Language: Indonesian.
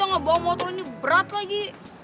ngebawa motor ini berat lagi